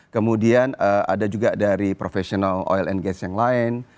kemudian ada juga dari professional oil and gas yang lain